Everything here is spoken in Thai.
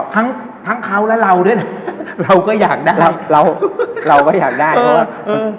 ทั้งทั้งเขาและเราด้วยนะเราก็อยากได้เราเราก็อยากได้เพราะว่าเออ